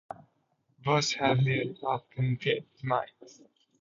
Both have been open-pit mines.